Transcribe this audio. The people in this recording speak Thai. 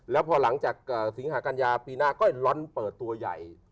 แล้วพอหลังจากสิงหากัญญาปีหน้าก็ร้อนเปิดตัวใหญ่